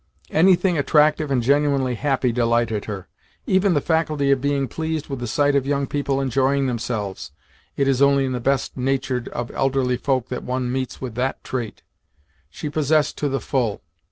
Anything attractive and genuinely happy delighted her. Even the faculty of being pleased with the sight of young people enjoying themselves (it is only in the best natured of elderly folk that one meets with that TRAIT) she possessed to the full.